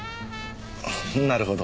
なるほど。